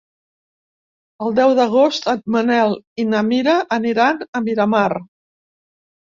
El deu d'agost en Manel i na Mira aniran a Miramar.